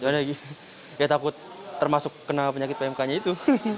jangan lagi ya takut termasuk kena penyakit pmk nya itu